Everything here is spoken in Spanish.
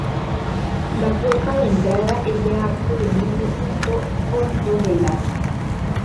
La puerta de entrada es de arco de medio punto con dovelas.